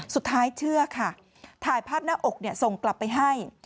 เชื่อค่ะถ่ายภาพหน้าอกส่งกลับไปให้